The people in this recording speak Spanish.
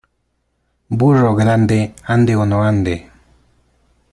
Burro grande, ande o no ande.